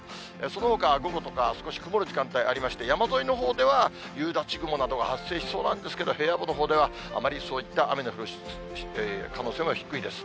そのほかは午後とか、少し曇る時間帯ありまして、山沿いのほうでは、夕立雲などが発生しそうなんですけれども、平野部のほうでは、あまりそういった雨の降る可能性は低いです。